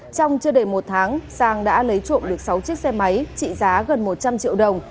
trong chưa đầy một tháng sang đã lấy trộm được sáu chiếc xe máy trị giá gần một trăm linh triệu đồng